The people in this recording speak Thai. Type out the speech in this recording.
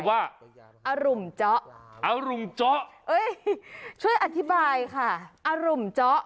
ว่าอรุมเจาะอรุมเจาะช่วยอธิบายค่ะอรุมเจาะ